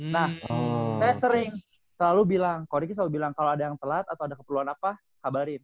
nah saya sering selalu bilang kok diki selalu bilang kalau ada yang telat atau ada keperluan apa kabarin